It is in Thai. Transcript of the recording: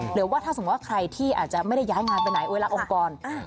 หรือว่าถ้าสมมุติว่าใครที่อาจจะไม่ได้ย้ายงานไปไหนเวลาองค์กร